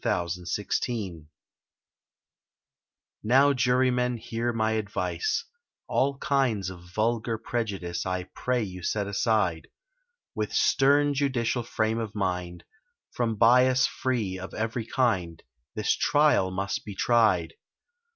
THE USHER'S CHARGE NOW, Jurymen, hear my advice— All kinds of vulgar prejudice I pray you set aside: With stern judicial frame of mind— From bias free of every kind, This trial must be tried!